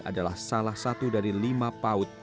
adalah salah satu dari lima paut